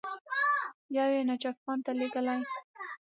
یو یې نجف خان ته لېږلی.